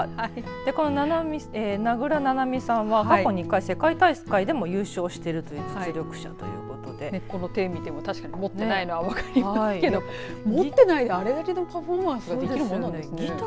この名倉七海さんは過去２回世界大会でも優勝しているという実力者ということでこの手を見ても確かに持っていないのは分かりますけど持ってないけどあれだけのパフォーマンスができるもんなんですね。